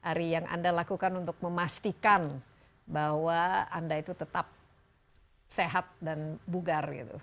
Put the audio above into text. apa apa saja dari yang anda lakukan untuk memastikan bahwa anda itu tetap sehat dan bugar gitu